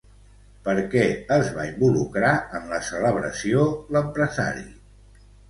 Per què es va involucrar en la celebració l'empresari?